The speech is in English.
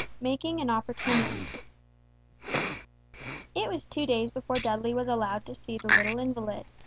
III MAKING AN OPPORTUNITY It was two days before Dudley was allowed to see the little invalid.